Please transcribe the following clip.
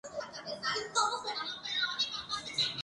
Valle conformó un estilo propio.